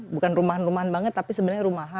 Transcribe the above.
bukan rumahan rumahan banget tapi sebenarnya rumahan